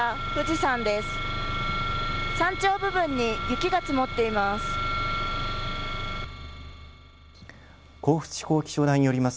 山頂部分に雪が積もっています。